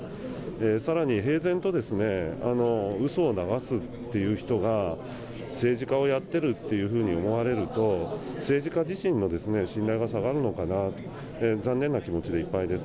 さらに平然とうそを流すっていう人が、政治家をやってるっていうふうに思われると、政治家自身も信頼が下がるのかなと、残念な気持ちでいっぱいです。